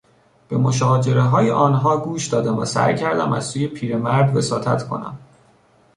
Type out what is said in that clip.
به مشاجرههای آنها گوش دادم و سعی کردم از سوی پیرمرد وساطت کنم.